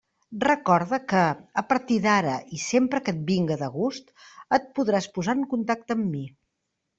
Recorda que, a partir d'ara i sempre que et vinga de gust, et podràs posar en contacte amb mi.